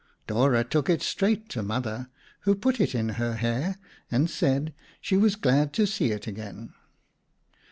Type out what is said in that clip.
Dora took it straight to Mother who put it in her hair and said she was glad to see it again.